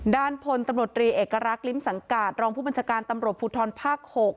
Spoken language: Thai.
ด้านพลตำรวจรีเอกลักษ์ลิ้มสังกาศรองผู้บัญชาการตำรวจภูทรภาค๖